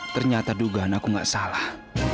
ternyata dugaan aku nggak salah